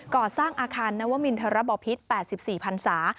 ก่อสร้างอาคารนวมินทรบพิษ๘๔พันศา